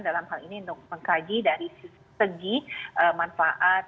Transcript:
dalam hal ini untuk mengkaji dari segi manfaat